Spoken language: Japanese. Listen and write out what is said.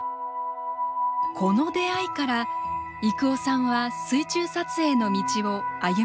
この出会いから征夫さんは水中撮影の道を歩み始めます。